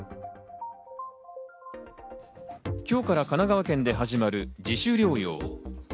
今日から神奈川県で始まる自主療養。